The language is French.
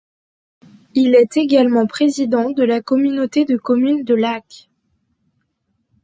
Il est également président de la communauté de communes de Lacq.